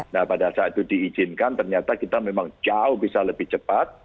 nah pada saat itu diizinkan ternyata kita memang jauh bisa lebih cepat